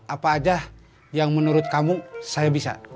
apa aja yang menurut kamu saya bisa